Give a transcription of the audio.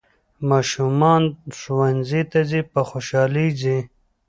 ماشومان ښوونځي ته په خوشحالۍ ځي